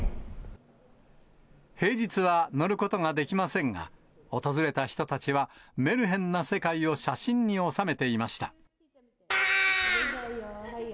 平日は乗ることはできませんが、訪れた人たちは、メルヘンな世界を写真に収めていました。